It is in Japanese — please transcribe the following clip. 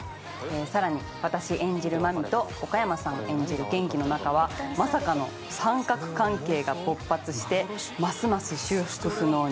さらに私演じる麻美と岡山さん演じる元気の仲はまさかの三角関係が勃発してますます修復不能に。